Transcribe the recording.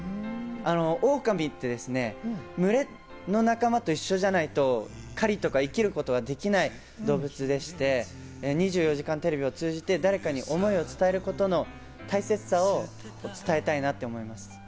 オオカミって群れの仲間と一緒じゃないと狩りとか生きることができない動物でして『２４時間テレビ』を通じて誰かに想いを伝えることの大切さを伝えたいなって思います。